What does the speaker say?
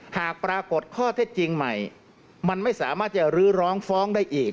หากปรากฏข้อเท็จจริงใหม่มันไม่สามารถจะรื้อร้องฟ้องได้อีก